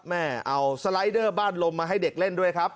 แม่เอาสไลเดอร์บ้านลมมาให้เด็กเล่นด้วยครับ